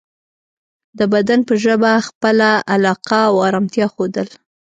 د بدن په ژبه خپله علاقه او ارامتیا ښودل